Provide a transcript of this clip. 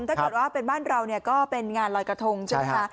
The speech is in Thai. ถ้าเกิดว่าเป็นบ้านเราเนี่ยก็เป็นงานลอยกระทงใช่ไหมคะ